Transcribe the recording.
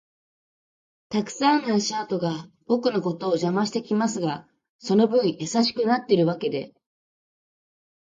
たくさんの足跡が僕のことを邪魔してきますが、その分優しくなってるわけで